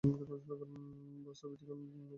বাস্তববাদিগণ বলেন, এই জগতের অস্তিত্ব আছে।